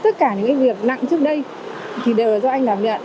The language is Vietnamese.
tất cả những việc nặng trước đây thì đều là do anh làm nhận